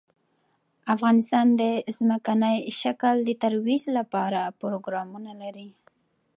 افغانستان د ځمکنی شکل د ترویج لپاره پروګرامونه لري.